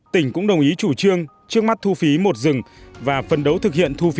tỉnh cũng đồng ý chủ trương trước mắt thu phí một dừng và phân đấu thực hiện thu phí